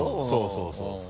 そうそう。